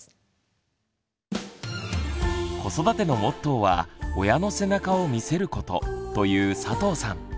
子育てのモットーは「親の背中を見せること」という佐藤さん。